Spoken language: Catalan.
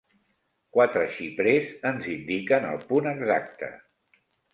Quatre xiprers ens indiquen el punt exacte.